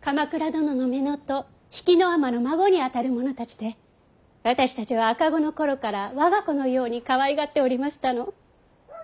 鎌倉殿の乳母比企尼の孫にあたる者たちで私たちは赤子の頃から我が子のようにかわいがっておりましたの。